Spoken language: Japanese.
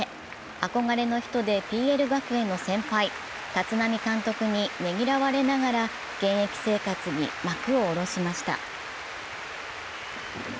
憧れの人でＰＬ学園の先輩、立浪監督にねぎらわれながら現役生活に幕を下ろしました。